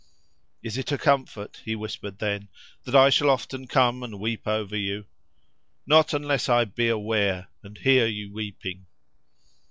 "Is it a comfort," he whispered then, "that I shall often come and weep over you?"—"Not unless I be aware, and hear you weeping!"